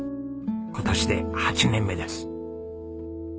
今年で８年目です。